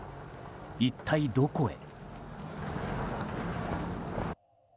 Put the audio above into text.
一体、どこへ。